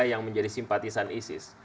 yang menjadi simpatisan isis